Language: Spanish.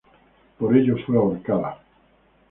Por ello fue ahorcada.